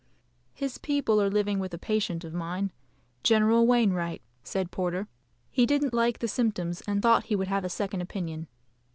"His people are living with a patient of mine, General Wainwright," said Porter. "He didn't like the symptoms, and thought he would have a second opinion."